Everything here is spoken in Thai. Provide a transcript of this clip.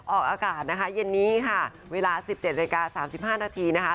ออกอากาศนะคะเย็นนี้ค่ะเวลา๑๗นาฬิกา๓๕นาทีนะคะ